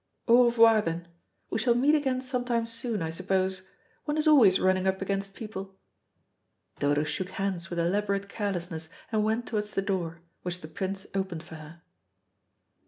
Au revoir, then. We shall meet again sometime soon, I suppose. One is always running up against people." "Dodo shook hands with elaborate carelessness and went towards the door, which the Prince opened for her.